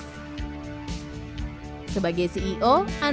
saat serang juga kamu banget tuh dewi verdade